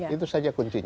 itu saja kuncinya